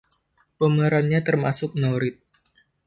Pemerannya termasuk Nourrit..